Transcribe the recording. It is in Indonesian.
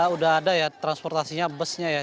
udah ada ya transportasinya busnya ya